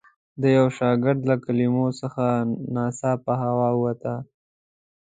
د یوه شاګرد له کلمو څخه ناڅاپه هوا ووته.